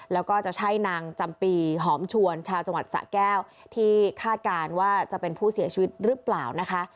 แล้วก็จะใช่นางจำปีหอมชวนชาวจังหวัดสะแก้วที่คาดการณ์ว่าจะเป็นผู้เสียชีวิตหรือเปล่านะคะ